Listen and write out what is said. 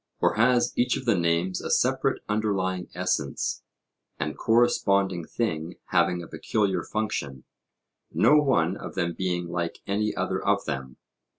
or has each of the names a separate underlying essence and corresponding thing having a peculiar function, no one of them being like any other of them?